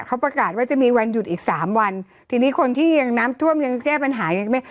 เขาประกาศว่าจะมีวันหยุดอีกสามวันทีนี้คนที่ยังน้ำท่วมยังแก้ปัญหายังไม่